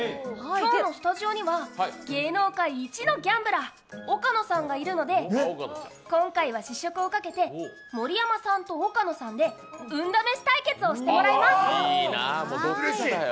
今日のスタジオには芸能界一のギャンブラー、岡野さんがいるので、今回は試食をかけて盛山さんと岡野さんで運試し対決をしてもらいます。